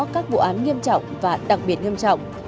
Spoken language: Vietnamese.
các vụ án nghiêm trọng và đặc biệt nghiêm trọng